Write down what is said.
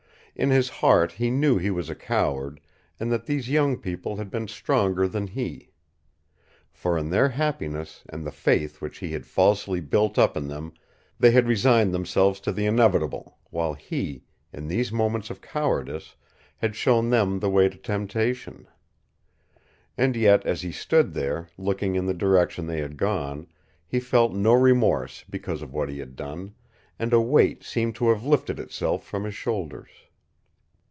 In his heart he knew he was a coward, and that these young people had been stronger than he. For in their happiness and the faith which he had falsely built up in them they had resigned themselves to the inevitable, while he, in these moments of cowardice, had shown them the way to temptation. And yet as he stood there, looking in the direction they had gone, he felt no remorse because of what he had done, and a weight seemed to have lifted itself from his shoulders.